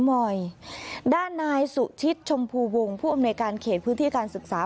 เมาย์ด้านนายสุชิทชมพูลวง์ผู้อำเคชพื้นพื้นที่การศึกษา